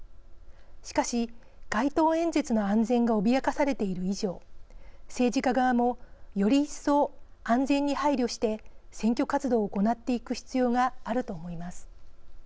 しかし、街頭演説の安全が脅かされている以上政治家側も、より一層安全に配慮して選挙活動を行っていく必要があると思います。